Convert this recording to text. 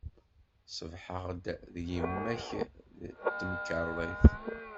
Ṣebḥeɣ-d deg yemma-k deg temkerḍit.